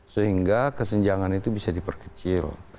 sehingga kesenjangan itu bisa diperkecil